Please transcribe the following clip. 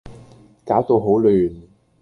攪到好亂